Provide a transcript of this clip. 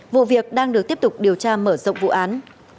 vụ việc đang được tiếp tục điều tra mở rộng vụ án